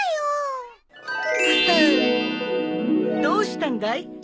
どうしたんだい？